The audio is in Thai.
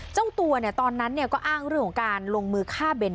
เจ้าตัวตอนนั้นก็อ้างเรื่องของการลงมือฆ่าเบน